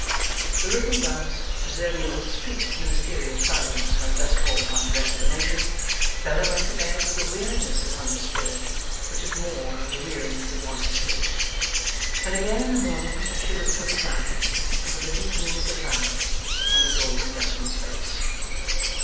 The looking glass preserving a discreet ministerial silence when thus called upon for explanation, Bella went to bed with a weariness upon her spirit which was more than the weariness of want of sleep. And again in the morning, she looked for the cloud, and for the deepening of the cloud, upon the Golden Dustman's face.